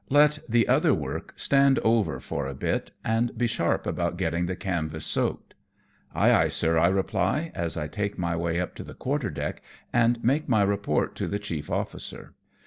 Let the other work stand over for a bit, and be sharp about getting the canvas soaked." " Ay ! ay ! sir," I reply, as I take my way up to the quarter deck, and make my report to the chief officer.